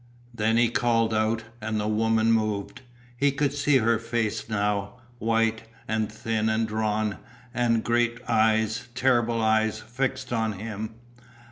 Then he called out and the woman moved. He could see her face now, white, and thin and drawn, and great eyes, terrible eyes, fixed on him.